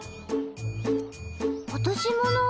落とし物？